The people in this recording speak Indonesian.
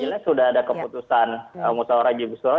ya sudah ada keputusan musawarah majelis surah